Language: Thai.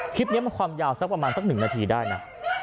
คลิปนี้มันความยาวสักประมาณสัก๑นาทีได้นะ